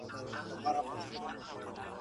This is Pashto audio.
هم یې پښې هم یې لاسونه رېږېدله.